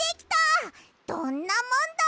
どんなもんだい！